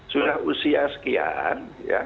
sudah usia sekian